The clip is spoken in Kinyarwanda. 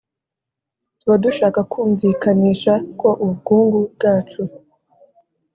tuba dushaka kumvikanisha ko ubukungu bwacu